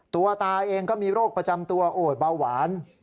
ตาเองก็มีโรคประจำตัวโอดเบาหวาน